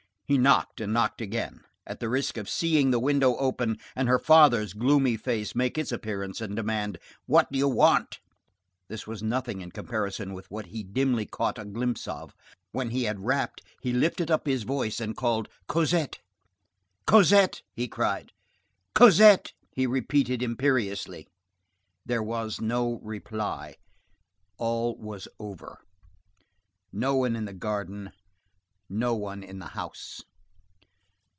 He knocked and knocked again, at the risk of seeing the window open, and her father's gloomy face make its appearance, and demand: "What do you want?" This was nothing in comparison with what he dimly caught a glimpse of. When he had rapped, he lifted up his voice and called Cosette.—"Cosette!" he cried; "Cosette!" he repeated imperiously. There was no reply. All was over. No one in the garden; no one in the house.